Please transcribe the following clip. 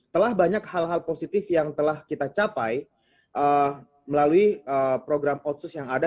telah banyak hal hal positif yang telah kita capai melalui program otsus yang ada